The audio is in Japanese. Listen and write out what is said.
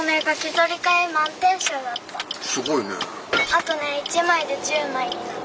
あとね１枚で１０枚になる。